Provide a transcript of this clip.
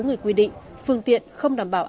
người quy định phương tiện không đảm bảo